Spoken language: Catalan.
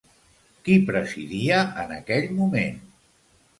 Qui presidia en aquell moment?